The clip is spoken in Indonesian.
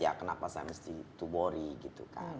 ya kenapa saya harus diberi masalah